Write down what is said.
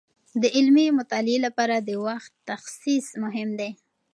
د علمي مطالعې لپاره د وخت تخصیص مهم دی.